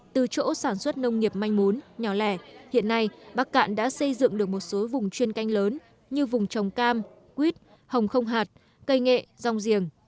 từ chỗ sản xuất nông nghiệp manh mún nhỏ lẻ hiện nay bắc cạn đã xây dựng được một số vùng chuyên canh lớn như vùng trồng cam quýt hồng không hạt cây nghệ rong giềng